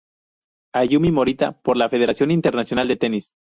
Ayumi Morita por la Federación Internacional de Tenis